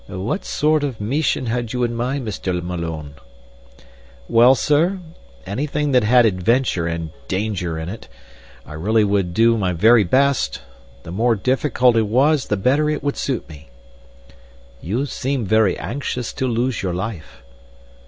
"What sort of meesion had you in your mind, Mr. Malone?" "Well, Sir, anything that had adventure and danger in it. I really would do my very best. The more difficult it was, the better it would suit me." "You seem very anxious to lose your life."